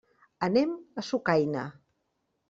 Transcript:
Anem a Sucaina.